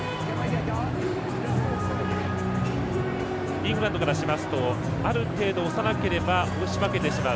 イングランドからしますとある程度、押さなければ押し負けてしまう。